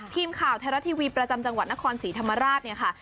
ทีมข่าวไทยรัฐทีวีประจำจังหวัดนครศรีธรรมราชเนี่ยค่ะ